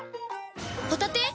ホタテ⁉